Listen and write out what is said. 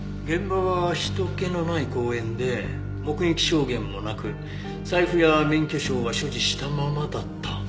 現場は人けのない公園で目撃証言もなく財布や免許証は所持したままだった。